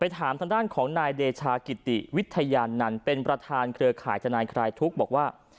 ถามทางด้านของนายเดชากิติวิทยานันต์เป็นประธานเครือข่ายทนายคลายทุกข์บอกว่า